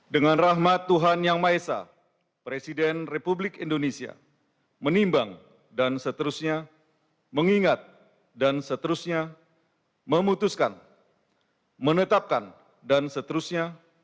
dengan rahmat tuhan yang maha esa presiden republik indonesia menimbang dan seterusnya mengingat dan seterusnya memutuskan menetapkan dan seterusnya